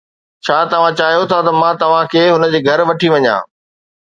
ڇا توهان چاهيو ٿا ته مان توهان کي هن جي گهر وٺي وڃان؟